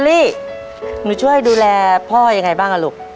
ลี่หนูช่วยดูแลพ่อยังไงบ้างอ่ะลูก